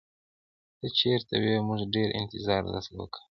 ته چېرته وې؟ موږ ډېر انتظار درته وکړ.